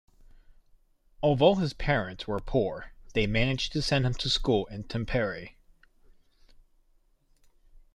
Although his parents were poor, they managed to send him to school in Tampere.